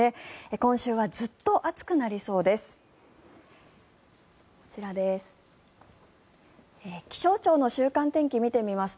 今週はずっと暑くなりそうです。